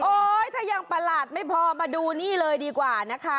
ถ้ายังประหลาดไม่พอมาดูนี่เลยดีกว่านะคะ